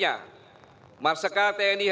dan bergantian jatuhkan kegantiannya